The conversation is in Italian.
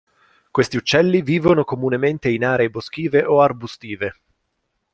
Questi uccelli vivono comunemente in aree boschive o arbustive.